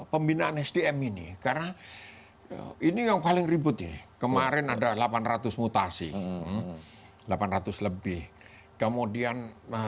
pembinaan sdm ini karena ini yang paling ribut ini kemarin ada delapan ratus mutasi delapan ratus lebih kemudian